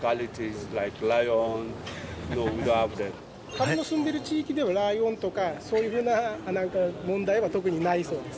彼の住んでいる地域では、ライオンとか、そういうふうななんか問題は特にないそうです。